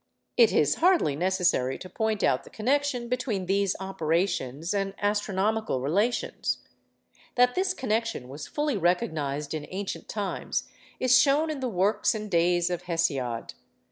It is hardly necessary to point out the connection between these operations and astronomical relations. That this connection was fully recognised in ancient times is shown in the 'Works and Days' of Hesiod.